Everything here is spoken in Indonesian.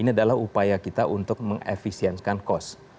ini adalah upaya kita untuk mengefisiensikan cost